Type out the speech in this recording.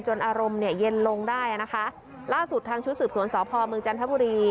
อารมณ์เนี่ยเย็นลงได้อ่ะนะคะล่าสุดทางชุดสืบสวนสพเมืองจันทบุรี